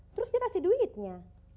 terus dia kasih duitnya